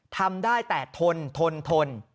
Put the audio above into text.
ทำได้แต่ทนทนทน